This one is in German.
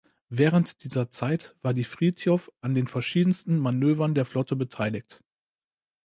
Während dieser Zeit war die "Frithjof" an den verschiedensten Manövern der Flotte beteiligt.